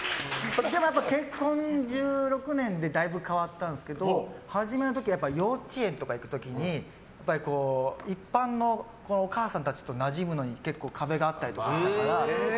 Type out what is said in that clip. でも結婚１６年でだいぶ変わったんですけど初めの時は幼稚園とか行く時に一般のお母さんたちとなじむのに結構壁があったりとかしたから。